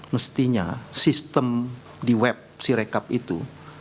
mestinya sistem di web si recup itu